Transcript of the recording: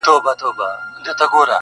زه چي پر مخ زلفي لرم بل به یارکړمه،،!